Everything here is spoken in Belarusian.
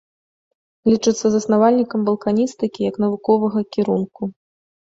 Лічыцца заснавальнікам балканістыкі як навуковага кірунку.